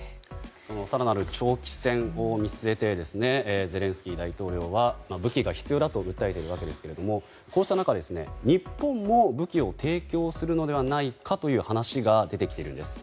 更なる長期戦を見据えてゼレンスキー大統領は武器が必要だと訴えているわけですがこうした中日本も武器を提供するのではないかという話が出てきているんです。